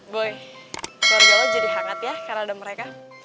boy seharusnya lo jadi hangat ya karena ada mereka